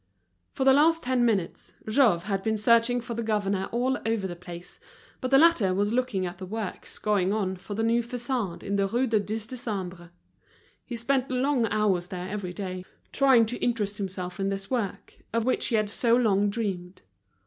For the last ten minutes, Jouve had been searching for the governor all over the place; but the latter was looking at the works going on for the new façade in the Rue du Dix Décembre. He spent long hours there every day, trying to interest himself in this work, of which he had so long dreamed.